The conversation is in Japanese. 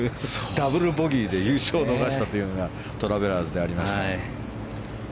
ダブルボギーで優勝を逃したというのがトラベラーズでありました。